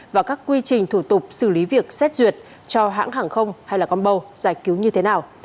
và các quy trình thủ tục xử lý việc xét duyệt cho hãng hàng không hay conbo giải cứu như thế nào